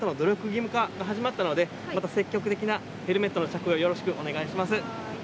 義務化始まったので積極的なヘルメットの着用をよろしくお願いします。